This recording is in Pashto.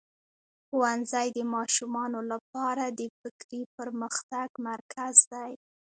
ښوونځی د ماشومانو لپاره د فکري پرمختګ مرکز دی.